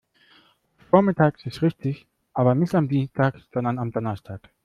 Vormittags ist richtig, aber nicht am Dienstag, sondern am Donnerstag.